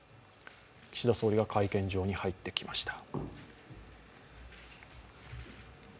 岸田総理が会見場に入ってきました。